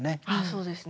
そうですね。